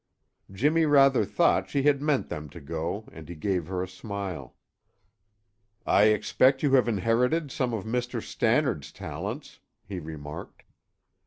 Jimmy rather thought she had meant them to go and he gave her a smile. "I expect you have inherited some of Mr. Stannard's talents," he remarked.